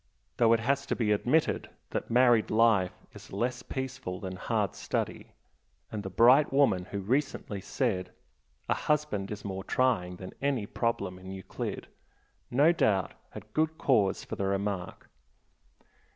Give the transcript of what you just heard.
Though it has to be admitted that married life is less peaceful than hard study and the bright woman who recently said, "A husband is more trying than any problem in Euclid," no doubt had good cause for the remark.